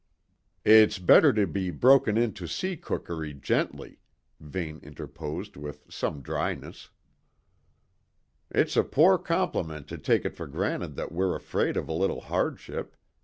"It's better to be broken in to sea cookery gently," Vane interposed with some dryness. "It's a poor compliment to take it for granted that we're afraid of a little hardship.